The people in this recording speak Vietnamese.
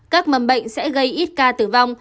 các mầm bệnh sẽ gây ít ca tử vong